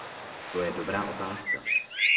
To je dobrá otázka.